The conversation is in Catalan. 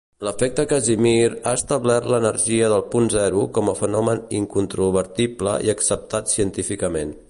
L'efecte Casimir ha establert l'energia del punt zero com a fenomen incontrovertible i acceptat científicament.